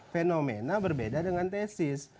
fenomena berbeda dengan tesis